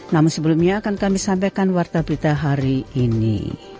namun sebelumnya akan kami sampaikan wartaberita hari ini